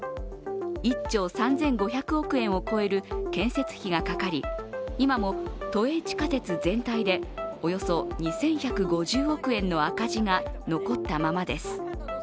１兆３５００億円を超える建設費がかかり今も都営地下鉄全体でおよそ２１５０億円の赤字が残ったままです。